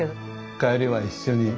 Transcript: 帰りは一緒に。